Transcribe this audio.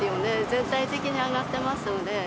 全体的に上がってますので。